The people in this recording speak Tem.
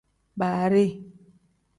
Baari.